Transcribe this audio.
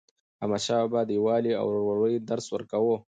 احمدشاه بابا د یووالي او ورورولۍ درس ورکاوه.